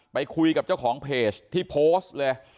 ไปคุยกับเจ้าของเพจที่โพสต์เลย